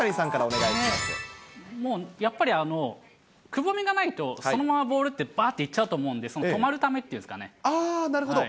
もうやっぱり、くぼみがないと、そのままボールってばーっていっちゃうと思うんで、止まるたああ、なるほど。